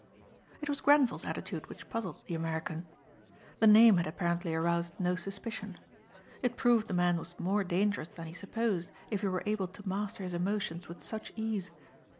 It was Grenvil's attitude which puzzled the American. The name had apparently aroused no suspicion. It proved the man was more dangerous than he supposed if he were able to master his emotions with such ease.